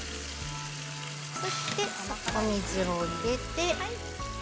そしてお水を入れて。